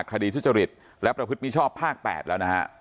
คดีทุจริตและประพฤติมิชชอบภาค๘แล้วนะฮะ